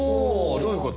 どういうこと？